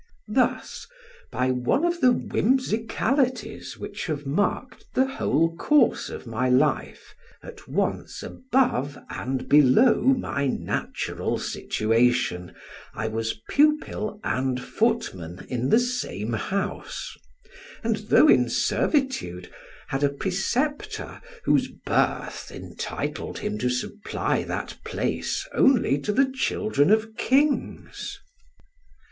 Thus, by one of the whimsicalities which have marked the whole course of my life, at once above and below my natural situation, I was pupil and footman in the same house: and though in servitude, had a preceptor whose birth entitled him to supply that place only to the children of kings.